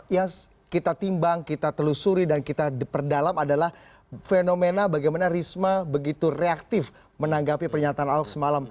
yang kita timbang kita telusuri dan kita perdalam adalah fenomena bagaimana risma begitu reaktif menanggapi pernyataan ahok semalam